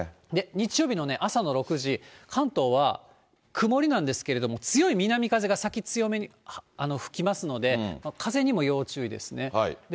日曜日の朝の６時、関東は、曇りなんですけども、強い南風が先強めに吹きますので、風にも要注意ですね。